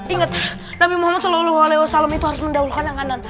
ingat nabi muhammad saw itu harus mendaulkan yang kanan